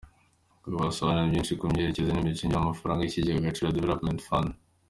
Kagabo yasobanuye byinshi ku mikoreshereze n’imicungire y’amafaranga y’ikigega Agaciro Development Fund.